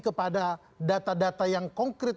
kepada data data yang konkret